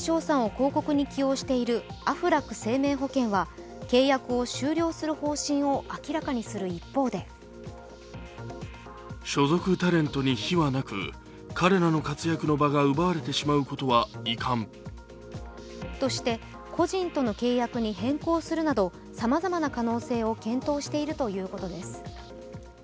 広告に起用しているアフラック生命保険は契約を終了する方針を明らかにする一方でとして、個人との契約に変更するなどさまざまな可能性を検討しているということです。